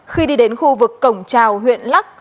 khi đi đến khu vực cổng trào huyện lắc